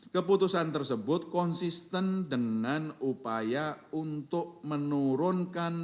keputusan tersebut konsisten dengan upaya untuk menurunkan